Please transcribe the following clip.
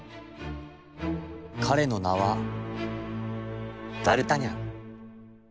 かれのなはダルタニャン。